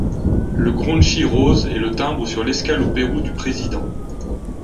Le Gronchi rose est le timbre sur l’escale au Pérou du président.